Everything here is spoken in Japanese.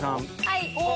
はい。